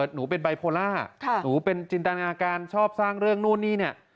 หนูเป็นไบโพล่าหนูเป็นจินตนาการชอบสร้างเรื่องนู่นนี่เนี่ย